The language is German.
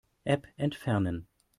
App entfernen.